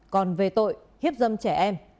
còn về tội hiếp dâm trẻ em